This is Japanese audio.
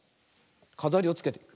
かざりをつけてみる。